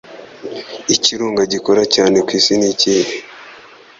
Ikirunga gikora cyane ku isi ni ikihe?